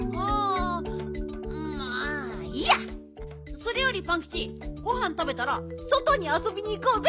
それよりパンキチごはんたべたらそとにあそびにいこうぜ！